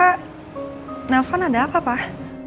handphone ada apa pak